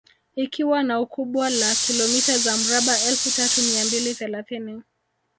Ikiwa na ukubwa la kilomita za mraba elfu tatu mia mbili thelathini